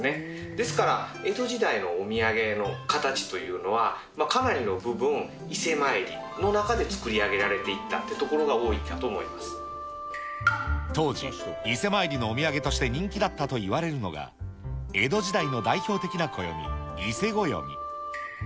ですから、江戸時代のお土産の形というのは、かなりの部分、伊勢参りの中で作り上げられていったというところが多いと思いま当時、伊勢参りのお土産として人気だったといわれるのが、江戸時代の代表的な暦、伊勢暦。